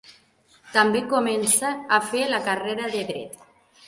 També començà a fer la carrera de Dret.